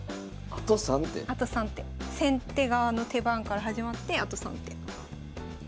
先手側の手番から始まってあと３手。